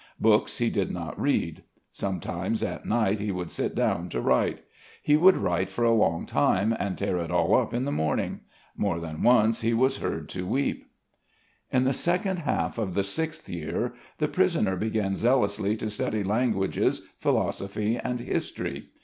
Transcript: Books he did not read. Sometimes at nights he would sit down to write. He would write for a long time and tear it all up in the morning. More than once he was heard to weep. In the second half of the sixth year, the prisoner began zealously to study languages, philosophy, and history.